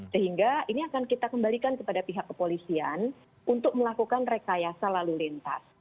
sehingga ini akan kita kembalikan kepada pihak kepolisian untuk melakukan rekayasa lalu lintas